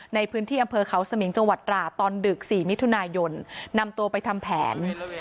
ในพื้นที่อำเภอเขาสมิงจังหวัดตราตอนดึก๔มิถุนายนนำตัวไปทำแผน